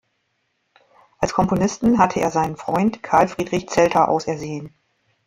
Als Komponisten hatte er seinen Freund Carl Friedrich Zelter ausersehen.